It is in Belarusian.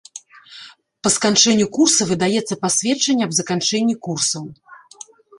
Па сканчэнню курса выдаецца пасведчанне аб заканчэнні курсаў.